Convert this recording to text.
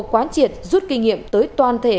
quán triệt rút kinh nghiệm tới toàn thể